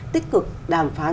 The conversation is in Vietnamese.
tích cực đàm phán